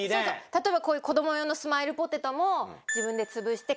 例えばこういう子供用のスマイルポテトも自分で。